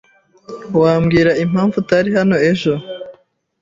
Wambwira impamvu utari hano ejo?